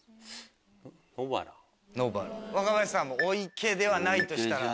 若林さんも「お池」ではないとしたら？